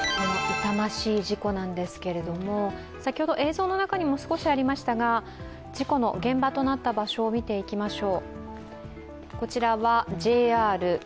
痛ましい事故なんですけれども先ほど映像の中にも少しありましたが事故の現場となった場所を見ていきましょう。